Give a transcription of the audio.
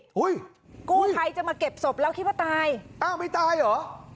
โอ้ยโก้ใครจะมาเก็บศพแล้วที่ว่าตายอ้าไม่ตายหรอ